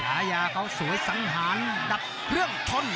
ฉายาเขาสวยสังหารดับเครื่องทน